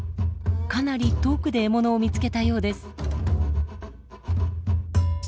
かなり遠くで獲物を見つけたようです。